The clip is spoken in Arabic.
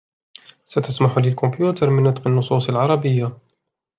ستسمح للكمبيوتر من نطق النصوص العربية